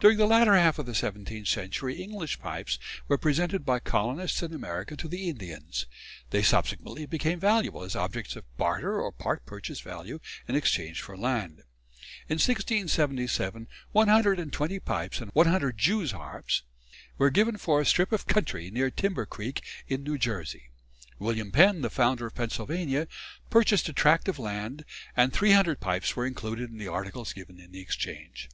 During the latter half of the seventeenth century English pipes were presented by colonists in America to the Indians; they subsequently became valuable as objects of barter or part purchase value in exchange for land. In 1677 one hundred and twenty pipes and one hundred Jew's harps were given for a strip of country near Timber Creek, in New Jersey. William Penn, the founder of Pennsylvania, purchased a tract of land, and 300 pipes were included in the articles given in the exchange."